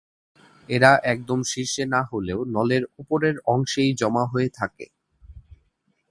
এরা একদম শীর্ষে না হলেও নলের ওপরের অংশেই জমা হয়ে থাকে।